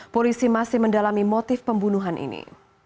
polisi masih mendalami motif pembunuhan ini